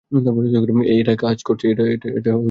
এটা কাজ করছে।